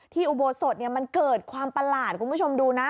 อุโบสถมันเกิดความประหลาดคุณผู้ชมดูนะ